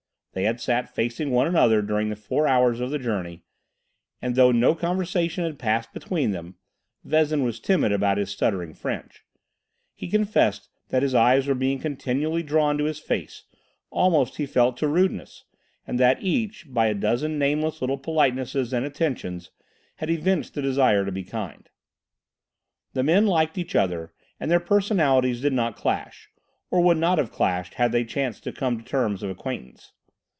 They had sat facing one another during the four hours of the journey, and though no conversation had passed between them—Vezin was timid about his stuttering French—he confessed that his eyes were being continually drawn to his face, almost, he felt, to rudeness, and that each, by a dozen nameless little politenesses and attentions, had evinced the desire to be kind. The men liked each other and their personalities did not clash, or would not have clashed had they chanced to come to terms of acquaintance.